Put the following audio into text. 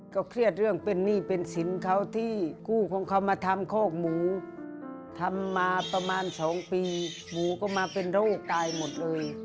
เครียดเรื่องเป็นหนี้เป็นสินเขาที่กู้ของเขามาทำคอกหมูทำมาประมาณ๒ปีหมูก็มาเป็นโรคตายหมดเลย